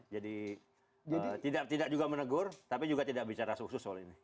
jadi tidak juga menegur tapi juga tidak bicara khusus soal ini